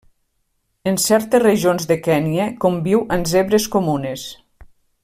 En certes regions de Kenya conviu amb zebres comunes.